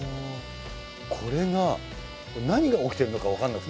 これが何が起きてるのか分かんなくて。